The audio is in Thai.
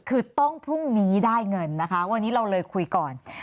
คือต้องพรุ่งนี้ได้เงินนะคะวันนี้เราเลยคุยก่อน